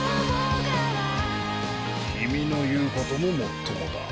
キミのいうことももっともだ。